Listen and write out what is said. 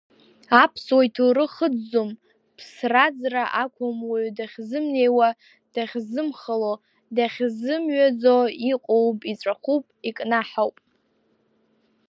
Аԥсуа иҭоурых ыӡӡом ԥсраӡра ақәым уаҩ дахьзымнеиуа дахьзымхало, дахьзымҩаӡо иҟоуп иҵәахуп, икнаҳауп.